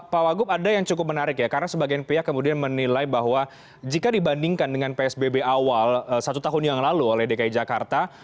pak wagup ada yang cukup menarik ya karena sebagian pihak kemudian menilai bahwa jika dibandingkan dengan psbb awal satu tahun yang lalu oleh dki jakarta